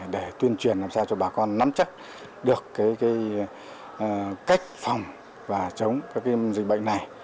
để tuyên truyền làm sao cho bà con nắm chất được cách phòng và chống dịch bệnh này